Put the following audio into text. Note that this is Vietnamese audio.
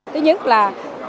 thứ nhất là muốn